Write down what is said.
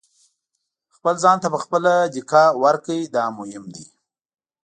خپل ځان ته په خپله دېکه ورکړئ دا مهم دی.